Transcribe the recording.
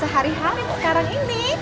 hari hari bu sekarang ini